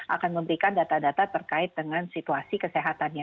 akan memberikan data data terkait dengan situasi kesehatannya